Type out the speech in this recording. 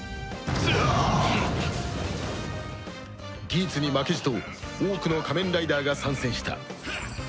ギーツに負けじと多くの仮面ライダーが参戦した